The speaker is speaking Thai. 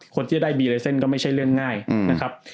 คนที่จะได้ก็ไม่ใช่เรื่องง่ายนะครับ